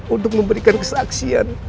untuk memberikan kesaksian